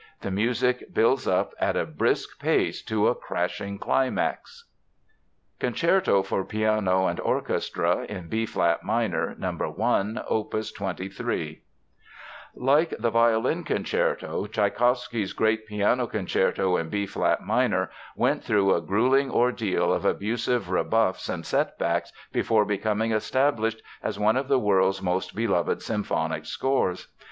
The music builds up at a brisk pace to a crashing climax. CONCERTO FOR PIANO AND ORCHESTRA, IN B FLAT MINOR, NO. 1, OPUS 23 Like the violin concerto, Tschaikowsky's great piano concerto in B flat minor went through a gruelling ordeal of abusive rebuffs and setbacks before becoming established as one of the world's most beloved symphonic scores.